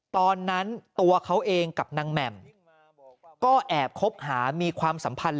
ตอนนั้นตัวเขาเองกับนางแหม่มก็แอบคบหามีความสัมพันธ์